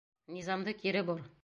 Низамды кире бор!